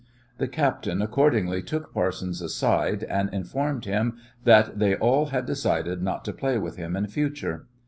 The captain accordingly took Parsons aside and informed him that they all had decided not to play with him in future.